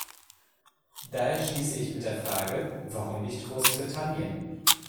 Daher schließe ich mit der Frage, warum nicht Großbritannien?